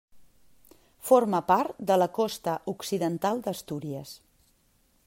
Forma part de la Costa Occidental d'Astúries.